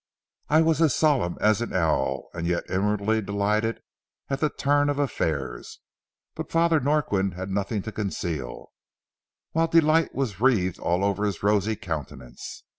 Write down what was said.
I was as solemn as an owl, yet inwardly delighted at the turn of affairs. But Father Norquin had nothing to conceal, while delight was wreathed all over his rosy countenance.